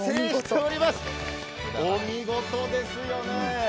お見事ですよね。